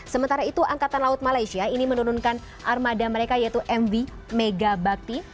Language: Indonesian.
sementara itu angkatan laut malaysia ini menurunkan armada mereka yaitu mv megabakti